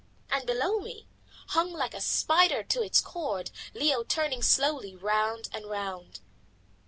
And below me, hung like a spider to its cord, Leo turning slowly round and round!